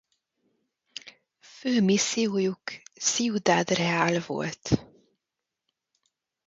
Fő missziójuk Ciudad Real volt.